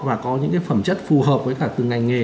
và có những phẩm chất phù hợp với cả từng ngành nghề